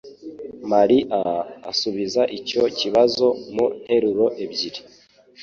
María asubiza icyo kibazo mu nteruro ebyiri